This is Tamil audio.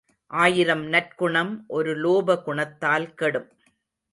ஆயிரம் நற்குணம் ஒரு லோப குணத்தால் கெடும்.